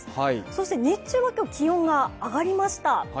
そして日中は今日、気温が上がりました。